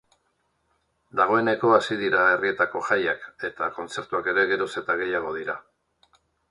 Dagoeneko hasi dira herrietako jaiak eta kontzertuak ere geroz eta gehiago dira.